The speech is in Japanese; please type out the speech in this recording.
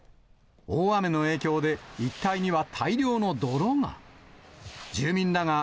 大雨の影響で、一帯には大量の泥が。